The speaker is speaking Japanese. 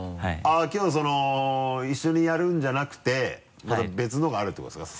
きょう一緒にやるんじゃなくてまた別のがあるってことですか？